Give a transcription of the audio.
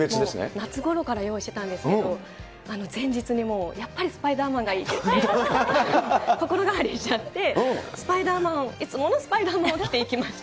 夏ごろから用意してたんですけど、前日にもうやっぱりスパイダーマンがいいって、心変わりしちゃって、スパイダーマンを、いつものスパイダーマンを来て行きました。